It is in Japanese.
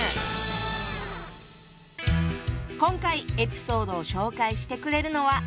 今回エピソードを紹介してくれるのは。